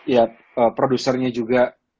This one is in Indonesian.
ya produsernya juga